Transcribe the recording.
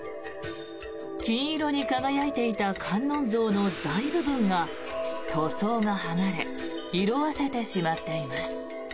金色に輝いていた観音像の大部分が塗装が剥がれ色あせてしまっています。